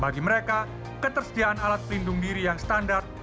bagi mereka ketersediaan alat pelindung diri yang standar